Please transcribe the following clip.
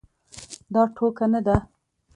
دا ټوکه نه ده.